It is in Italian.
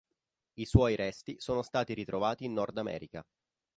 I suoi resti sono stati ritrovati in Nordamerica.